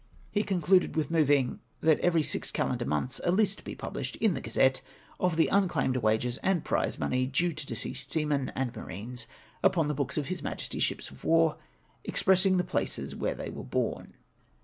He concluded with moving ' That every six calendar months a list be published in the Gazette of the unclaimed wages and prize money due to deceased seamen and marines upon the books of His Majesty's ships of war, expressing the places where they were born.'